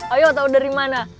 ayo tau dari mana